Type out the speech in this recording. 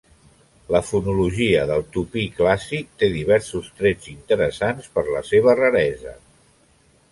La fonologia del tupí clàssic té diversos trets interessants per la seva raresa.